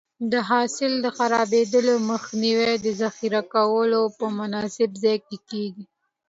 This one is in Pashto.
د حاصل د خرابېدو مخنیوی د ذخیره کولو په مناسب ځای کې کېږي.